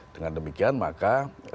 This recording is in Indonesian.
dengan demikian maka